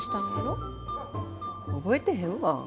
覚えてへんわ。